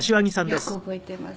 「よく覚えてます」